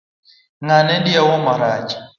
Ng'ane diewo marach.